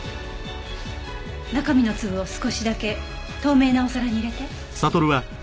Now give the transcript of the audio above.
中身の粒を少しだけ透明なお皿に入れて。